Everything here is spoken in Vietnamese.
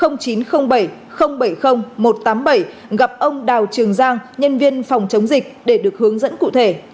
người dân có thể gọi số điện thoại chín trăm linh bảy tám trăm linh bảy gặp ông đào trường giang nhân viên phòng chống dịch để được hướng dẫn cụ thể